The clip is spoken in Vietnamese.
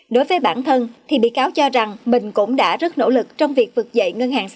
đối với bản thân thì bị cáo cho rằng mình cũng đã rất nỗ lực trong việc vực dậy